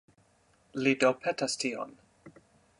Li do petas tion.